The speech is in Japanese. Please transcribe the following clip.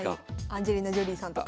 アンジェリーナ・ジョリーさんとか。